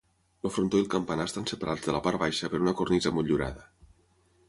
El frontó i el campanar estan separats de la part baixa per una cornisa motllurada.